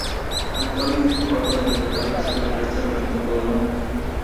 Actualmente, el Pueblo el Volcán recibe a turistas durante todo el año.